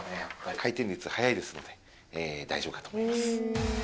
回転率は速いですので、大丈夫かと思います。